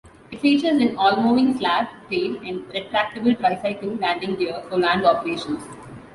It features an all-moving slab tail and retractable tricycle landing gear for land operations.